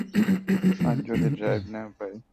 আর যদি আমি ড্রাইভ না পাই।